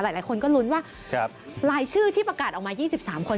หลายคนก็ลุ้นว่ารายชื่อที่ประกาศออกมา๒๓คน